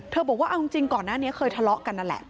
บอกว่าเอาจริงก่อนหน้านี้เคยทะเลาะกันนั่นแหละ